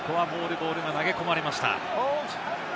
ボールが投げ込まれました。